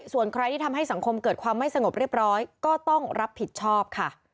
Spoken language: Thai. ส่วนใครที่ทำให้สังคมเกิดความไม่สงบเรียบร้อยก็ต้องรับผิดชอบค่ะ